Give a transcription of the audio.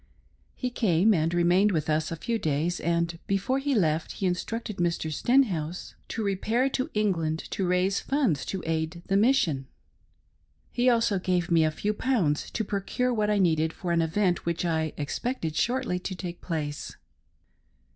He came, and remained with us a few days, and before he left he instructed Mr. Stenhouse to repair to Eng land to raise funds to aid the mission. He also gave me a few pounds to procure what I needed for an event which I expected shortly to , take "place.